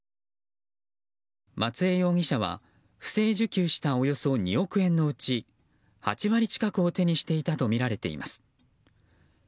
松江容疑者は不正受給したおよそ２億円のうち８割近くを手にしていたとみられています。